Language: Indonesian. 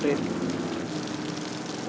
bokap tiri gue man